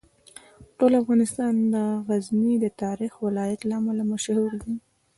ټول افغانستان د غزني د تاریخي ولایت له امله مشهور دی.